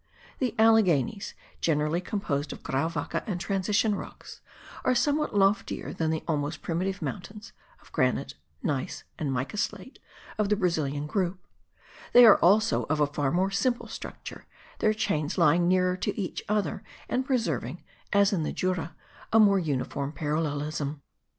The Alleghenies, generally composed of grauwacke and transition rocks, are somewhat loftier than the almost primitive mountains (of granite, gneiss and mica slate) of the Brazilian group; they are also of a far more simple structure, their chains lying nearer to each other and preserving, as in the Jura, a more uniform parallelism.